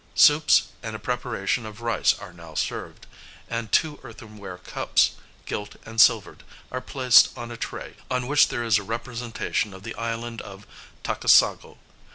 Soups and a preparation of rice are now served, and two earthenware cups, gilt and silvered, are placed on a tray, on which there is a representation of the island of Takasago.